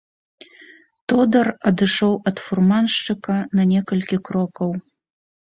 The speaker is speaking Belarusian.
Тодар адышоў ад фурманшчыка на некалькі крокаў.